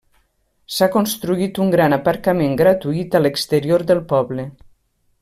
S'ha construït un gran aparcament gratuït a l'exterior del poble.